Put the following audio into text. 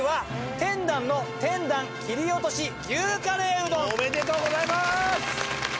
あぁ！おめでとうございます！